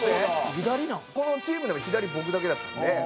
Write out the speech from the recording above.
このチームで左僕だけだったので。